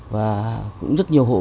và cũng rất nhiều hộ nghèo